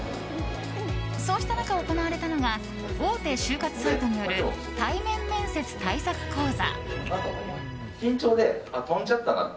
そうした中、行われたのが大手就活サイトによる対面面接対策講座。